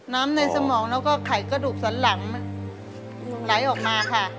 น้ำในสมองแล้วก็ไขกระดูกสันหลังไหลออกมาค่ะ